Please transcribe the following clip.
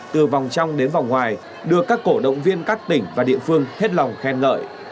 từ vòng trong đến vòng ngoài đưa các cổ động viên các tỉnh và địa phương hết lòng khen ngợi